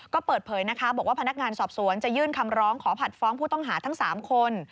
ก็เปิดเผยนะคะบอกว่าพนักงานสอบสวนจะยื่นคำร้องขอผัดฟ้องผู้ต้องหาทั้ง๓คน